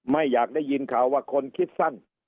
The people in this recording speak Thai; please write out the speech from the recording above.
ไม่อยากได้ยินข่าวว่าคนคิดสั้น